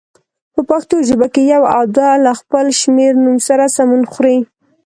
په پښتو ژبه کې یو او دوه له خپل شمېرنوم سره سمون خوري.